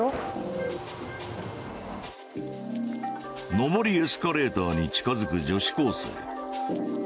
上りエスカレーターに近づく女子高生。